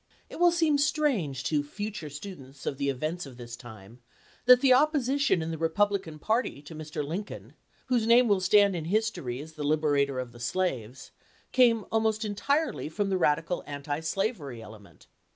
It wQl seem strange to future students of the events of this time that the opposition in the Republican party to Mr. Lincoln, whose name will stand in history as the liberator of the slaves, came almost entirely from the radical antislavery element.